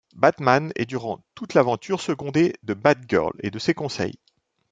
Batman est durant toute l'aventure secondé de Batgirl et de ses conseils.